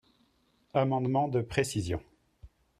Amendement de précision.